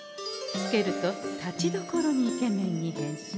つけるとたちどころにイケメンに変身。